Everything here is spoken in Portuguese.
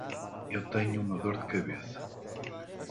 Eu tenho uma dor de cabeça.